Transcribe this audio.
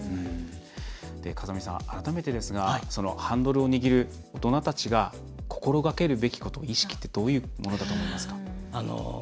風見さん、改めてですがハンドルを握る大人たちが心がけるべきもの意識はどういうものだと思いますか。